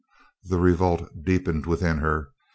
The revolt deepened within her.